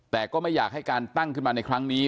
แต่ก็ไม่อยากให้การตั้งขึ้นมาในครั้งนี้